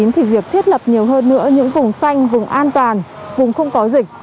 thì việc thiết lập nhiều hơn nữa những vùng xanh vùng an toàn vùng không có dịch